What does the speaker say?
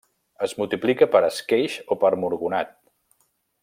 Es multiplica per esqueix o per murgonat.